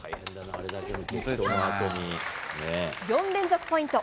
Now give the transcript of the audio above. ４連続ポイント。